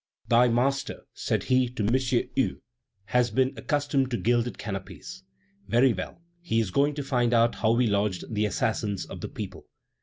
"Thy master," said he to M. Hue, "has been accustomed to gilded canopies. Very well! he is going to find out how we lodge the assassins of the people."